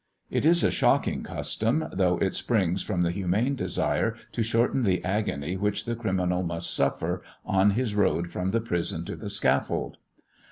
It is a shocking custom, though it springs from the humane desire to shorten the agony which the criminal must suffer on his road from the prison to the scaffold.